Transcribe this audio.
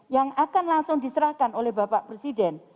yang akan langsung diserahkan oleh bapak presiden